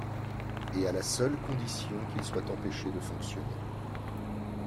Et à la seule condition qu’il soit empêché de fonctionner.